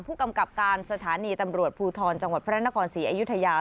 ผู้กำกับการสถานีตำรวจภูทรจังหวัดพระนครศรีอยุธยา